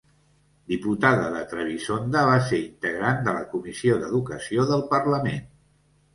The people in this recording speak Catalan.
Diputada de Trebisonda, va ser integrant de la comissió d'educació del parlament.